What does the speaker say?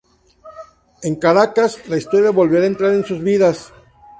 En Caracas, la Historia volverá a entrar en sus vidas.